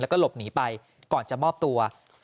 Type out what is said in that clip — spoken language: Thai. แล้วก็หลบหนีไปก่อนจะมอบตัว